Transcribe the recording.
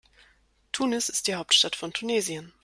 Tunis ist die Hauptstadt von Tunesien.